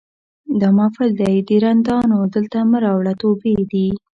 دا محفل دی د رندانو دلته مه راوړه توبې دي